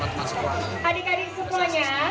baik adik adik semuanya